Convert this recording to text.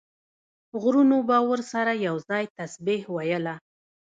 غرونو به ورسره یو ځای تسبیح ویله.